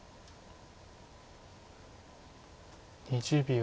２０秒。